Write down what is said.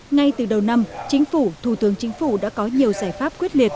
ngay từ đầu năm chính phủ thủ tướng chính phủ đã có nhiều giải pháp quyết liệt